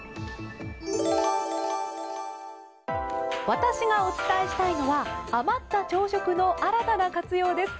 私がお伝えしたいのは余った朝食の新たな活用です。